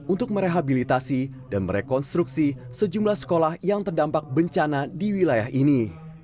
untuk merehabilitasi dan merekonstruksi sejumlah sekolah yang terdampak bencana di wilayah ini